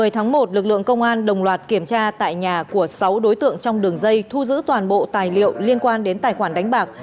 một mươi tháng một lực lượng công an đồng loạt kiểm tra tại nhà của sáu đối tượng trong đường dây thu giữ toàn bộ tài liệu liên quan đến tài khoản đánh bạc